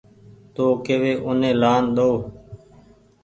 تو ڪيوي اوني لآن ۮئو